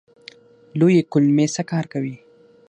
لویې کولمې څه کار کوي؟